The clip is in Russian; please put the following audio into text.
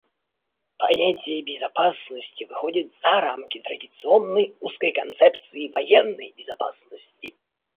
Понятие безопасности выходит за рамки традиционной узкой концепции военной безопасности.